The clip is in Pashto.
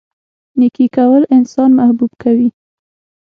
نیکي کول انسان محبوب کوي.